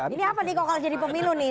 ini apa nih kok kalau jadi pemilu nih